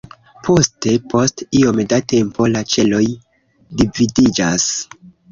Poste, post iom da tempo, la ĉeloj dividiĝas.